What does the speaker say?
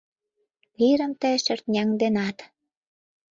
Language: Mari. Лирым тый шӧртняҥденат.